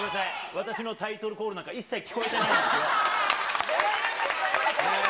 私のタイトルコールなんか、一切聞こえてないんですよ。